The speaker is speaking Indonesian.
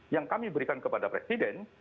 yang kami berikan kepada presiden